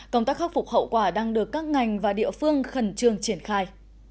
công tác khắc phục hậu quả đang được các ngành và địa phương khẩn trương triển khai